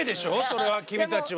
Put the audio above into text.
それは君たちは。